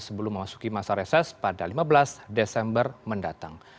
sebelum memasuki masa reses pada lima belas desember mendatang